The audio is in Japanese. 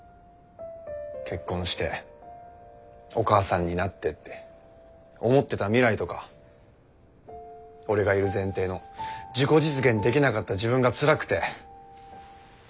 結婚してお母さんになってって思ってた未来とか俺がいる前提の自己実現できなかった自分がつらくて。